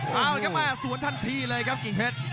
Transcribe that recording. เอ้าแล้วก็มาสวนท่านทีเลยครับกิ่งเพชร